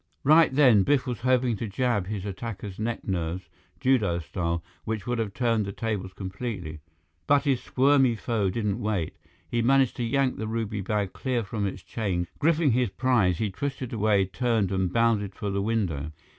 Right then, Biff was hoping to jab his attacker's neck nerves, judo style, which would have turned the tables completely. But his squirmy foe didn't wait. He managed to yank the ruby bag clear from its chain. Gripping his prize, he twisted away, turned, and bounded for the window.